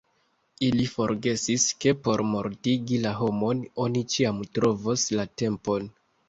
Ili forgesis, ke por mortigi la homon oni ĉiam trovos la tempon.